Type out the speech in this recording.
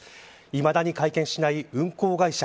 いまだに会見しない運航会社。